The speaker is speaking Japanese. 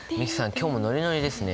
今日もノリノリですね。